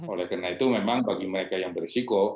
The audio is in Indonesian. oleh karena itu memang bagi mereka yang berisiko